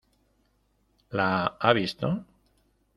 ¿ la ha visto?